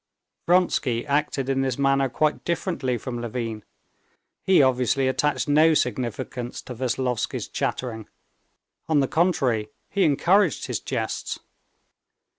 Vronsky acted in this matter quite differently from Levin. He obviously attached no significance to Veslovsky's chattering; on the contrary, he encouraged his jests.